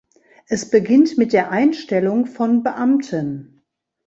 Es beginnt mit der Einstellung von Beamten.